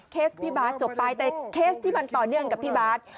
พี่บาทจบไปแต่เคสที่มันต่อเนื่องกับพี่บาท